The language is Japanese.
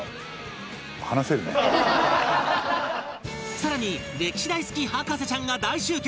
更に歴史大好き博士ちゃんが大集結